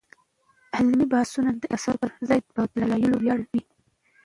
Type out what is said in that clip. علمي بحثونه د احساساتو پر ځای په دلایلو ولاړ وي.